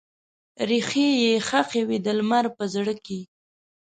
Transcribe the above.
ریښې یې ښخې وي د لمر په زړه کې